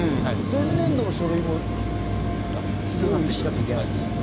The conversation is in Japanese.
前年度の書類も用意しなきゃいけないんですか？